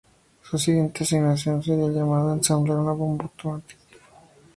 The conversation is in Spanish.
Su siguiente asignación seria el llamado a ensamblar una bomba atómica.